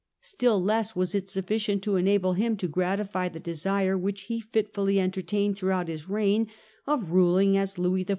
Still less was it sufficient to enable him to gratify the desire which he fitfully entertained throughout his reign of ruling as Louis XIV.